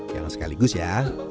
jangan sekaligus ya